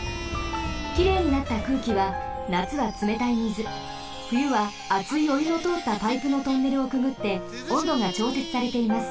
きれいになった空気はなつはつめたいみずふゆはあついおゆのとおったパイプのトンネルをくぐっておんどがちょうせつされています。